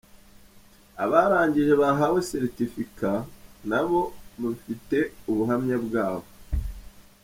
Abarangije bahawe Certificate nabo bafite ubuhamya bwabo.